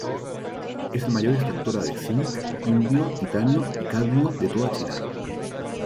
Es la mayor extractora de zinc, indio, titanio y cadmio de toda China.